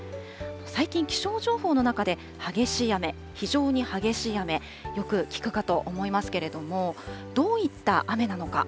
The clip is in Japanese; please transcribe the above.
最近、気象情報の中で、激しい雨、非常に激しい雨、よく聞くかと思いますけれども、どういった雨なのか。